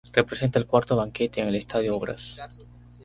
Representa el cuarto banquete en el estadio Obras